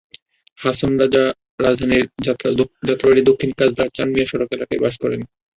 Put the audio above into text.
হাসান রাজা রাজধানীর যাত্রাবাড়ীর দক্ষিণ কাজলার চান মিয়া সড়ক এলাকায় বাস করেন।